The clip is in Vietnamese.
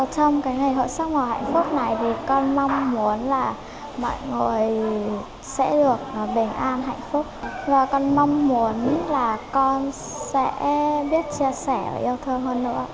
trong ngày hội sắc màu hạnh phúc này thì con mong muốn là mọi người sẽ được bình an hạnh phúc và con mong muốn là con sẽ biết chia sẻ và yêu thương hơn nữa